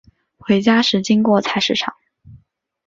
回家时经过菜市场